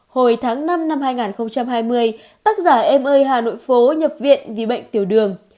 hồi tháng năm năm hai nghìn hai mươi tác giả em ơi hà nội phố nhập viện vì bệnh tiểu đường